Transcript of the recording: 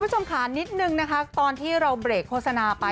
คุณผู้ชมค่ะนิดนึงนะคะตอนที่เราเบรกโฆษณาไป